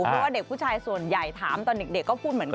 เพราะว่าเด็กผู้ชายส่วนใหญ่ถามตอนเด็กก็พูดเหมือนกัน